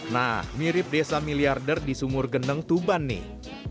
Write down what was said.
nah mirip desa miliarder di sumur geneng tuban nih